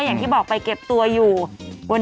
ไหนชุดปากัดเถอะ